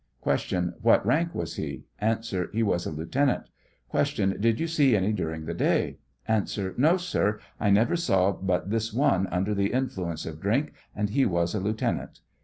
Q. What rank was he? A. He was a Lieutenant. Q. Did you see any during the day ? A. No, sir, I never saw but this one under the influ ence of drink, and he was a Lieutenant.